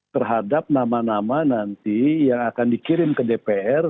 terhadap nama nama nanti yang akan dikirim ke dpr